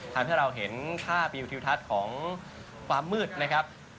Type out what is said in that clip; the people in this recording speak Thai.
ทำให้เราเห็นภาพวิวทิวทัศน์ของความมืดนะครับ